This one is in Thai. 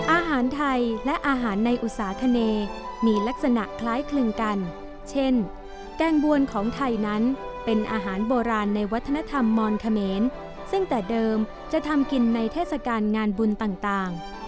อาหารไทยและอาหารในอุตสาขเนมีลักษณะคล้ายคลึงกันเช่นแกงบวนของไทยนั้นเป็นอาหารโบราณในวัฒนธรรมมอนเขมรซึ่งแต่เดิมจะทำกินในเทศกาลงานบุญต่าง